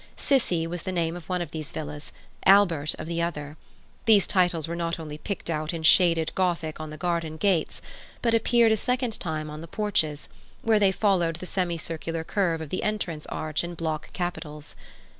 "Cissie" was the name of one of these villas, "Albert" of the other. These titles were not only picked out in shaded Gothic on the garden gates, but appeared a second time on the porches, where they followed the semicircular curve of the entrance arch in block capitals.